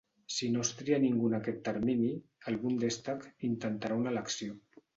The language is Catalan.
Si no es tria ningú en aquest termini, el "Bundestag" intentarà una elecció.